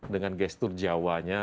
dengan gestur jawa nya